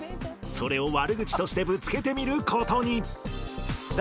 それを悪口としてぶつけてみる事に